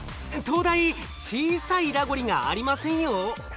東大小さいラゴリがありませんよ。